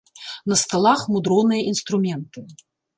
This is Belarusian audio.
На сталах мудроныя інструменты.